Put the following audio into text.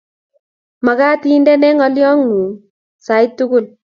Magaat indene ngolyongung sait tugul